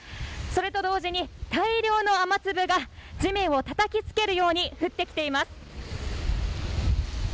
それと同時に大量の雨粒が地面をたたきつけるように降ってきています。